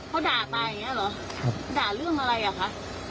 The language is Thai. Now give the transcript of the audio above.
เขาด่าตายอย่างนี้เหรอด่าเรื่องอะไรอ่ะคะ